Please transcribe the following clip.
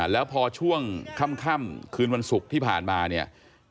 แล้วพอช่วงค่ำคืนวันศุกร์ที่ผ่านมาเนี่ย